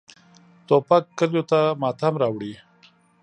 توپک کلیو ته ماتم راوړي.